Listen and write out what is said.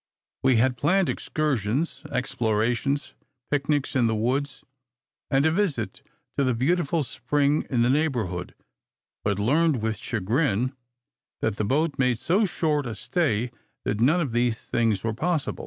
We had planned excursions, explorations, picnics in the woods, and a visit to the beautiful spring in the neighborhood; but learned with chagrin that the boat made so short a stay, that none of these things were possible.